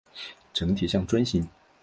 整体像樽形。